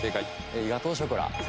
ガトーショコラ。